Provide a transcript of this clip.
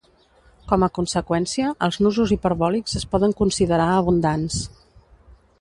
Com a conseqüència, els nusos hiperbòlics es poden considerar abundants.